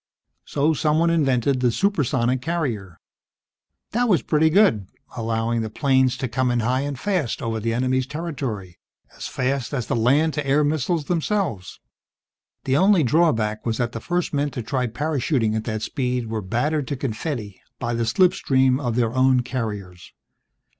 So someone invented the supersonic carrier. This was pretty good, allowing the planes to come in high and fast over the enemy's territory, as fast as the land to air missiles themselves. The only drawback was that the first men to try parachuting at that speed were battered to confetti by the slipstream of their own carriers.